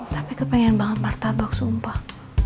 tapi kepengen banget martabak sumpah